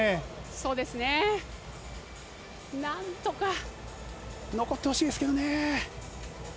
そうですね、何とか。残ってほしいですけどね。